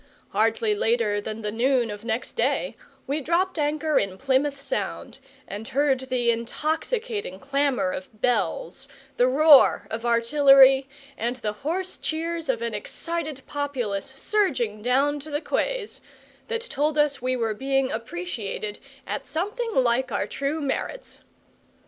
Hardly later than the noon of next day we dropped anchor in Plymouth Sound, and heard the intoxicating clamour of bells, the roar of artillery, and the hoarse cheers of an excited populace surging down to the quays, that told us we were being appreciated at something like our true merits.